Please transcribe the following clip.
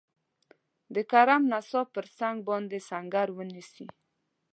د کرم ناسا پر څنګ باندي سنګر ونیسي.